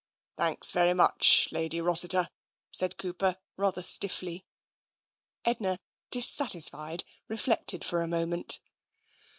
"Thanks very much. Lady Rossiter," said Cooper, rather stiffly. Edna, dissatisfied, reflected for a moment.